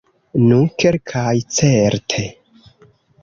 Nu, kelkaj certe.